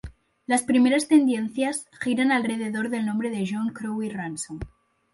Las primeras tendencias giran alrededor del nombre de John Crowe Ransom.